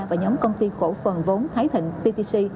và nhóm công ty khổ phần vốn thái thịnh ttc